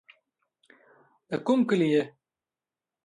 د کوم کلي يې.